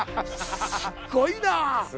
すっごいな！